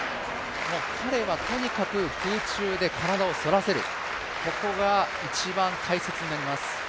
彼はとにかく空中で体を反らせる、ここが一番大切になります。